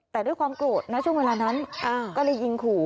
แต่ด้วยความโกรธนะช่วงเวลานั้นก็เลยยิงขู่